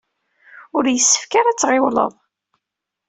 Ur yessefk ara ad tɣiwleḍ.